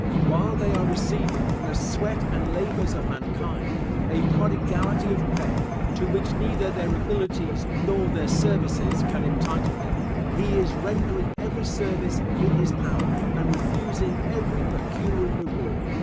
While they are receiving from the sweat and labours of mankind, a prodigality of pay, to which neither their abilities nor their services can entitle them, he is rendering every service in his power, and refusing every pecuniary reward.